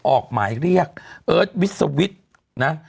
ออกหมายเรียกเอิร์ทวิสวิทย์นะ